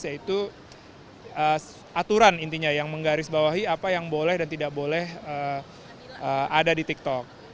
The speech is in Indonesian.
yaitu aturan intinya yang menggarisbawahi apa yang boleh dan tidak boleh ada di tiktok